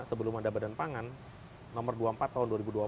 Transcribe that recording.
sebelum ada badan pangan nomor dua puluh empat tahun dua ribu dua puluh